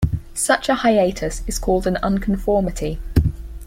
Such a hiatus is called an unconformity.